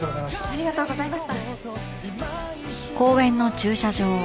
ありがとうございます。